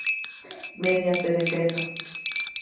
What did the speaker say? Mediante decreto No.